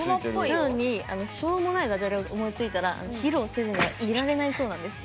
なのに、しょうもないだじゃれを思いついたら披露せずにはいられないそうなんです。